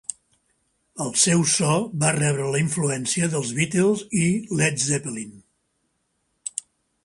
El seu so va rebre la influència dels Beatles i Led Zeppelin.